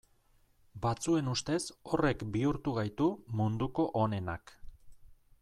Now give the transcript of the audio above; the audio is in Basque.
Batzuen ustez horrek bihurtu gaitu munduko onenak.